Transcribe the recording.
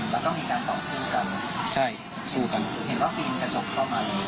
แล้วก็มีการต่อสู้กันใช่คู่กันเห็นว่าปีนกระจกเข้ามาเลย